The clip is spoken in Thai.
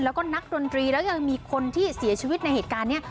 แล้วก็นักดนตรีแล้วยังมีคนที่เสียชีวิตในเหตุการณ์นี้